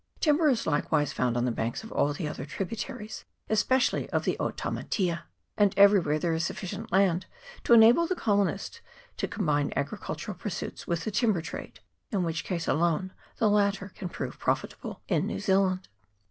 Timber is likewise found on the banks of all the other tributaries, especially of the Otamatea; and 268 KAIPARA RIVER [PART II. everywhere there is sufficient land to enable the colonist to combine agricultural pursuits with the timber trade, in which" case alone the latter can prove profitable in New Zealand.